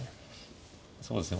そうですね